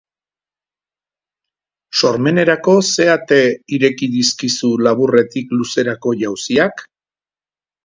Sormenerako zer ate ireki dizkizu laburretik luzerako jauziak?